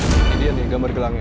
ini dia gambar gelangnya